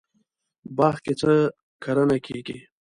باغ کې څه کرنه کیږي؟